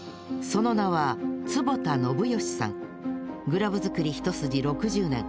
その名はグラブ作り一筋６０年。